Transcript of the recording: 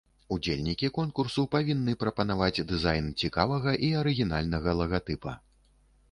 Удзельнікі конкурсу павінны прапанаваць дызайн цікавага і арыгінальнага лагатыпа.